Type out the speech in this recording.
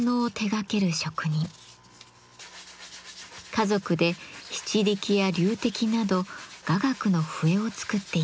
家族で篳篥や龍笛など雅楽の笛を作っています。